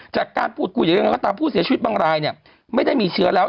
จากการพูดคุยอย่างไรก็ตามผู้เสียชีวิตบางรายเนี่ยไม่ได้มีเชื้อแล้ว